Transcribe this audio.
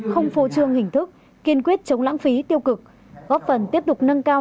không phô trương hình thức kiên quyết chống lãng phí tiêu cực góp phần tiếp tục nâng cao